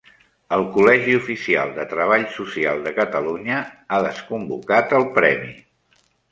El Col·legi Oficial de Treball Social de Catalunya ha desconvocat el premi.